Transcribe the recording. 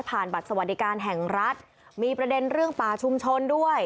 บัตรสวัสดิการแห่งรัฐมีประเด็นเรื่องป่าชุมชนด้วย